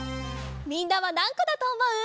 みんなはなんこだとおもう？